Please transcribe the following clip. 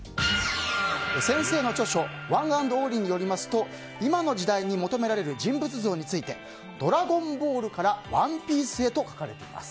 先生の著書「ｏｎｅａｎｄｏｎｌｙ」によりますと今の時代に求められる人物像について「ドラゴンボール」から「ＯＮＥＰＩＥＣＥ」へと書かれています。